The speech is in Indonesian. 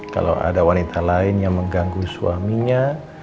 kalau ada wanita lain yang mengganggu suaminya